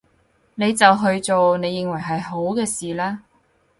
你就去做你認為係好嘅事啦